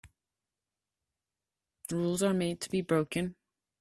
Rules are made to be broken.